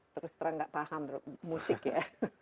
terus terang nggak paham musik ya